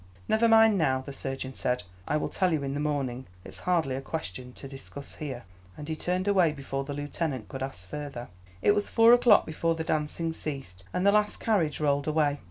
"Never mind now," the surgeon said. "I will tell you in the morning; it's hardly a question to discuss here," and he turned away before the lieutenant could ask further. It was four o'clock before the dancing ceased and the last carriage rolled away.